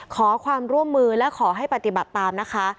ขอความร่วมมือและขอให้ปฏิบัติตามนะคะ